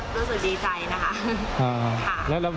แต่ก็ไม่ได้อะไรนะคะ